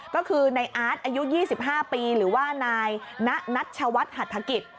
ก็คือในอาร์ตอายุ๒๕ปีหรือว่านายณัชวัฒนหัฐกิจ